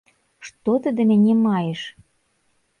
Што ты да мяне маеш?